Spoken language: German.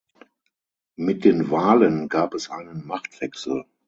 Mit den Wahlen gab es einen Machtwechsel.